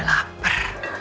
saya udah lapar